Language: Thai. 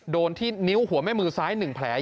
โดนที่นิ้วหัวแม่มือซ้าย๑แผล